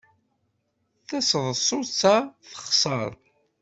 Taseḍsut-a texṣer.